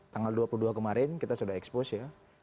tanggal dua puluh dua kemarin kita sudah expose ya